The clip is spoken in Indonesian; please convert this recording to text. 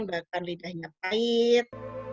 bahkan lidahnya pahit